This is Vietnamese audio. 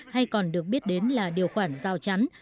hay còn được biết đến là điều khoản giao chắn